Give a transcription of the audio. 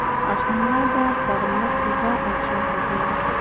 احمده! پر مخ ځه او شا ته ګوره.